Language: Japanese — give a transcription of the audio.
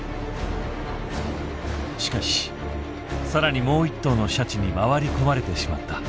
しかし更にもう一頭のシャチに回り込まれてしまった。